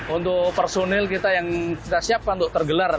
untuk personil kita yang kita siapkan untuk tergelar